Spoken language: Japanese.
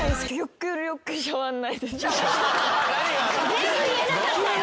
全部言えなかったよ